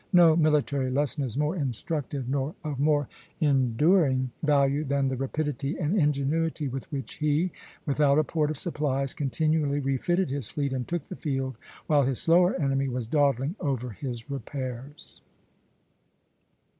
No military lesson is more instructive nor of more enduring value than the rapidity and ingenuity with which he, without a port or supplies, continually refitted his fleet and took the field, while his slower enemy was dawdling over his repairs.